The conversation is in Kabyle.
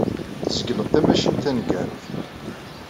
Tzegleḍ tamacint taneggarut.